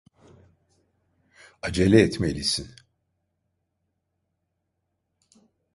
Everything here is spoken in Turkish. Acele etmelisin.